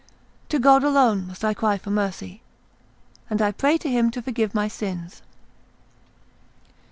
To God alone must I cry for mercy, and I pray Him to forgive my sins."